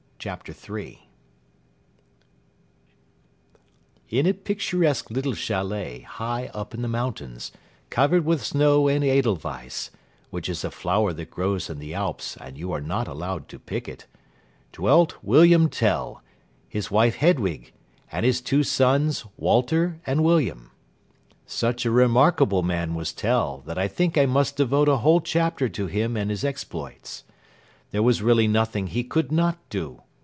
CHAPTER III In a picturesque little châlet high up in the mountains, covered with snow and edelweiss (which is a flower that grows in the Alps, and you are not allowed to pick it), dwelt William Tell, his wife Hedwig, and his two sons, Walter and William. Such a remarkable man was Tell that I think I must devote a whole chapter to him and his exploits. There was really nothing he could not do.